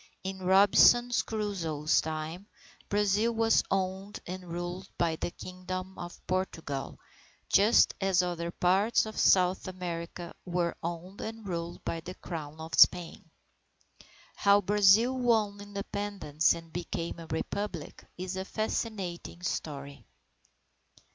In Robinson Crusoe's time, Brazil was owned and ruled by the Kingdom of Portugal, just as other parts of South America were owned and ruled by the Crown of Spain. How Brazil won Independence and became a Republic, is a fascinating story.